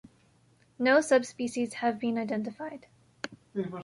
No subspecies have been identified.